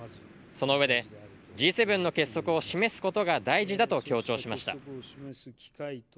その上でＧ７の結束を示すことが大事だと強調しました。